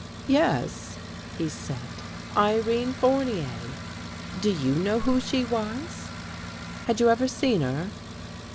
Yes, he said. Irene Fournier. Do you know who she was? Had you ever seen her?